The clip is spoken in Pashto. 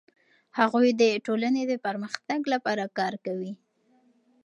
هغوی د ټولنې د پرمختګ لپاره کار کوي.